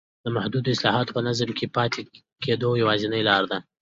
محدود اصلاحات په نظام کې د پاتې کېدو یوازینۍ لار ده.